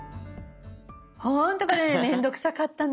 ほんとこれ面倒くさかったの。